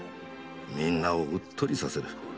みんなをうっとりさせる。